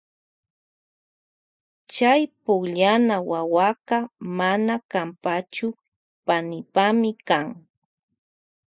Chay pukllana wawaka mana kanpachu panipami kan.